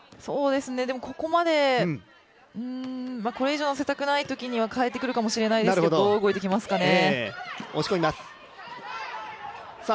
でも、ここまで、これ以上乗せたくないときには替えてくるかもしれないですけど、動いてきますかね。